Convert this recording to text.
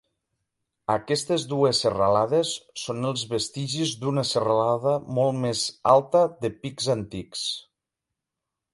Aquestes dues serralades són els vestigis d'una serralada molt més alta de pics antics.